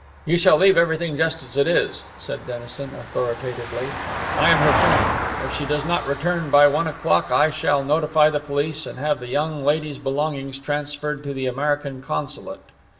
"We shall leave everything just as it is," said Dennison, authoritatively. "I am her friend. If she does not return by one o'clock I shall notify the police and have the young lady's belongings transferred to the American consulate.